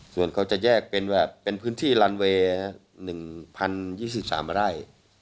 ส่วนเขาจะแยกเป็นว่าเป็นพื้นที่ลันเวย์๑๐๒๓ไร่